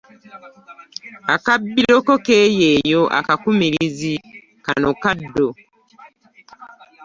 Akabbiro ke keeyeeyo akakumirizi kano kaddo.